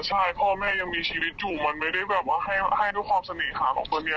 ใช่พ่อแม่ยังมีชีวิตอยู่มันไม่ได้แบบว่าให้ด้วยความเสน่หาของคนนี้